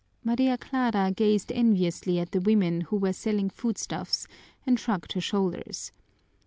Maria Clara gazed enviously at the women who were selling food stuffs and shrugged her shoulders.